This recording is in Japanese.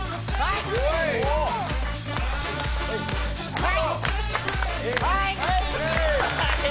はい！